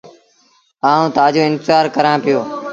آئوٚݩ تآجو انتزآر ڪرآݩ پيو۔